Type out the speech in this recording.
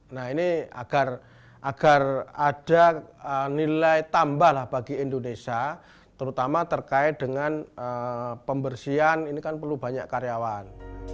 nah ini agar ada nilai tambah lah bagi indonesia terutama terkait dengan pembersihan ini kan perlu banyak karyawan